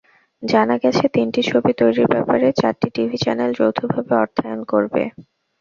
জানা গেছে, তিনটি ছবি তৈরির ব্যাপারে চারটি টিভি চ্যানেল যৌথভাবে অর্থায়ন করবে।